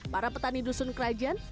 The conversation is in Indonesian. para petani dusun kerajaan